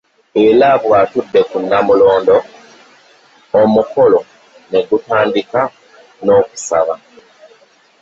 Era bw'atudde ku Nnamulondo, Omukolo ne gutandika n'okusaba